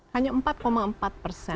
hanya empat empat persen